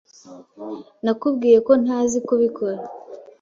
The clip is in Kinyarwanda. Nakubwiye ko ntazi kubikora.